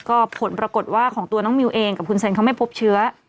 ก็ผลปรากฏว่าของตัวน้องมิวเองกับคุณเซนเขาไม่พบเชื้อ